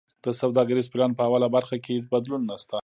د سوداګریز پلان په اوله برخه کی هیڅ بدلون نشته.